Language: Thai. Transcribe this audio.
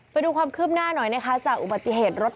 ไปดูความคืบหน้าหน่อยนะคะจากอุบัติเหตุรถทัวร์๒ชั้น